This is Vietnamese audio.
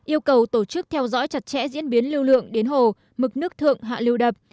yêu cầu tổ chức theo dõi chặt chẽ diễn biến lưu lượng đến hồ mực nước thượng hạ lưu đập